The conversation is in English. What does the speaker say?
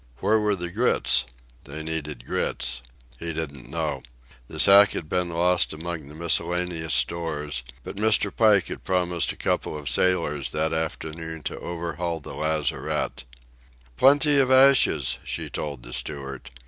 Where were the grits? They needed grits. He didn't know. The sack had been lost among the miscellaneous stores, but Mr. Pike had promised a couple of sailors that afternoon to overhaul the lazarette. "Plenty of ashes," she told the steward.